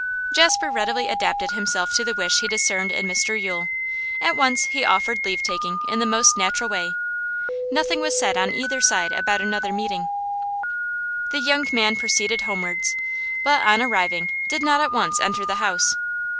Jasper readily adapted himself to the wish he discerned in Mr Yule; at once he offered leave taking in the most natural way. Nothing was said on either side about another meeting. The young man proceeded homewards, but, on arriving, did not at once enter the house.